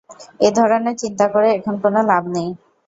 এ ধরনের চিন্তা করে এখন কোন লাভ নেই।